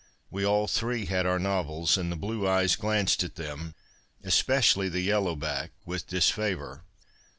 We all three had our novels, and the blue cj^es glanced at them, especially the yellow baek, with disfavour.